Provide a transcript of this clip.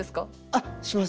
あっします。